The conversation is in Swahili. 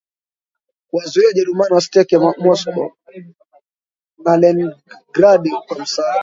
kuwazuia Wajerumani wasiteke Moscow na Leningrad Kwa msaada